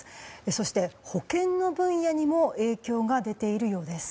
そして、保険の分野にも影響が出ているようです。